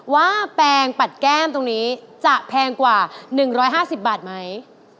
แปลงปัดแก้มตรงนี้จะแพงกว่า๑๕๐บาทไหม